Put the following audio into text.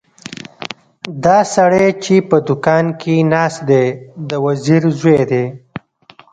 دا سړی چې په دوکان کې ناست دی د وزیر زوی دی.